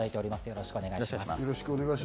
よろしくお願いします。